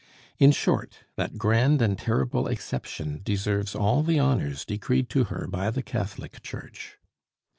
In short, that grand and terrible exception deserves all the honors decreed to her by the Catholic Church.